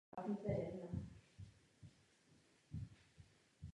Quark znovu otevře bar.